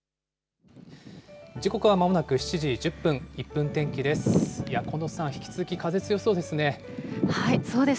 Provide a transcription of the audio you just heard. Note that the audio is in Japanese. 時刻はまもなく７時１０分、１分天気です。